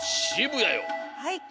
はい。